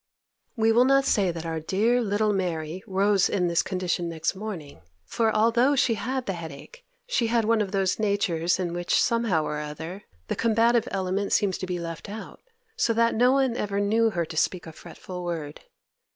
We will not say that our dear little Mary rose in this condition next morning; for although she had the headache, she had one of those natures in which somehow or other the combative element seems to be left out, so that no one ever knew her to speak a fretful word.